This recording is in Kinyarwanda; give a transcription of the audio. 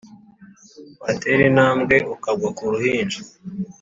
Watera intambwe ukagwa ku ruhinja